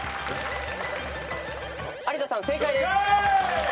有田さん正解です。